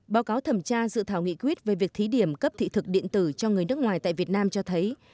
báo cáo thẩm tra dự thảo nghị quyết về việc thí điểm cấp thị thực điện tử cho người nước ngoài tại việt nam cho thấy